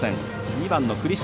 ２番の栗島。